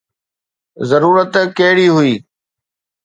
ضرورت ڪهڙي هئي؟